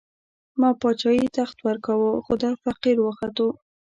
ما باچايي، تخت ورکوو، خو دا فقير وختو